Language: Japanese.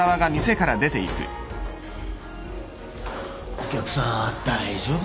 お客さん大丈夫ですか？